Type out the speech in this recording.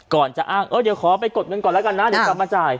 ก่อนจะอ้างเออเดี๋ยวขอไปกดเงินก่อนแล้วกันนะเดี๋ยวกลับมาจ่าย